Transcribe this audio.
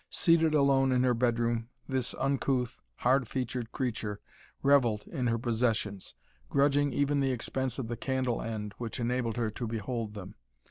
Seated alone in her bedroom this uncouth, hard featured creature revelled in her possessions, grudging even the expense of the candle end which enabled her to behold them.